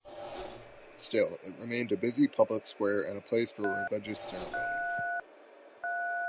Still, it remained a busy public square and a place for religious ceremonies.